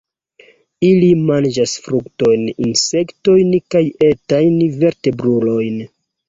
Ili manĝas fruktojn, insektojn kaj etajn vertebrulojn.